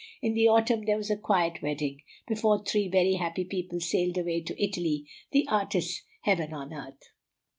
In the autumn there was a quiet wedding, before three very happy people sailed away to Italy, the artist's heaven on earth.